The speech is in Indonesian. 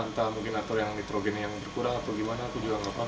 entah mungkin atau yang nitrogennya yang berkurang atau gimana aku juga gak paham